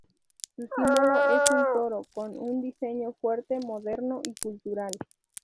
Su símbolo es un toro, con un diseño fuerte, moderno y cultural.